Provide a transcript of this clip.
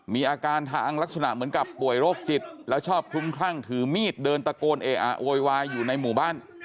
มีอาการทางลักษณะเหมือนกับป่วยโรคจิตแล้วชอบคลุมคลั่งถือมีดเดินตะโกนเออะโวยวายอยู่ในหมู่บ้าน